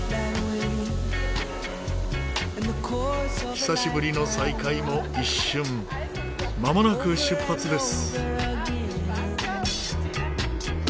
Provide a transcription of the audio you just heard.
久しぶりの再会も一瞬まもなく出発です。